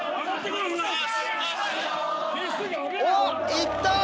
・いった！